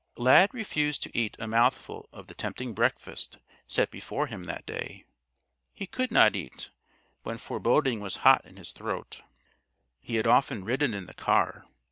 Lad refused to eat a mouthful of the tempting breakfast set before him that day. He could not eat, when foreboding was hot in his throat. He had often ridden in the car.